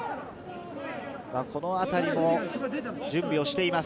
このあたりも準備をしています。